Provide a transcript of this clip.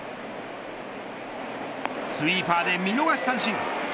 スイーパーで見逃し三振。